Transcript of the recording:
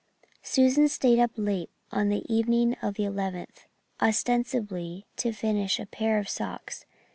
Susan stayed up late on the evening of the eleventh, ostensibly to finish a pair of socks.